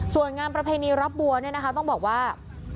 ส่วนงานประเพณีรับบัวเนี่ยนะคะต้องบอกว่า